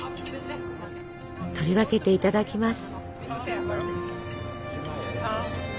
取り分けていただきます。